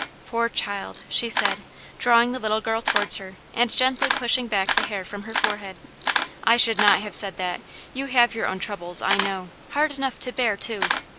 "Poor child!" she said, drawing the little girl towards her, and gently pushing back the hair from her forehead, "I should not have said that; you have your own troubles, I know; hard enough to bear, too.